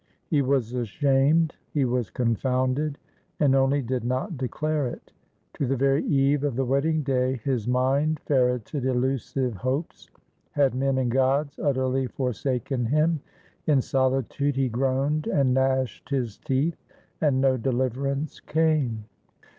He was ashamed; he was confounded; and only did not declare it. To the very eve of the wedding day, his mind ferreted elusive hopes. Had men and gods utterly forsaken him? In solitude, he groaned and gnashed his teeth. And no deliverance came.